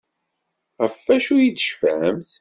Ɣef wacu ay tecfamt?